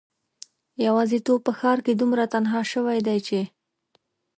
یوازیتوب په ښار کې دومره تنها شوی دی چې